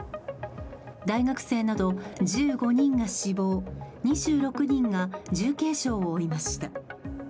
大学生など１５人が死亡２６人が重軽傷を負いました。